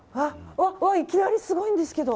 いきなりすごいんですけど！